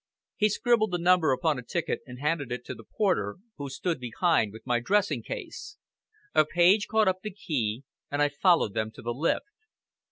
He scribbled the number upon a ticket and handed it to the porter, who stood behind with my dressing case. A page caught up the key, and I followed them to the lift.